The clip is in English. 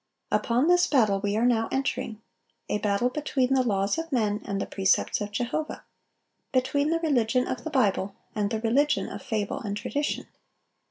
Upon this battle we are now entering,—a battle between the laws of men and the precepts of Jehovah, between the religion of the Bible and the religion of fable and tradition.